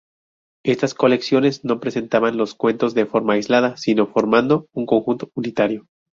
Estas colecciones no presentaban los cuentos de forma aislada, sino formando un conjunto unitario.